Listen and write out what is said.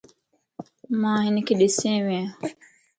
مان ھنک ڏسين وين